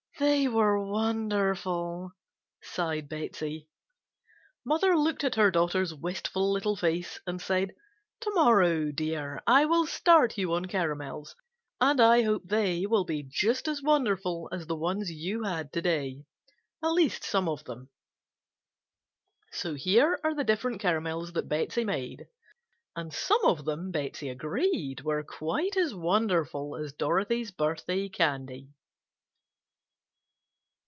"They were wonderful!" sighed Betsey. Mother looked at her daughter's wistful little face and said: "To morrow, dear, I will start you on caramels, and I hope they will be just as 'wonderful' as the ones you had to day; at least some of them." So here are the different caramels that Betsey made, and some of them Betsey agreed were quite as "wonderful" as Dorothy's birthday candy.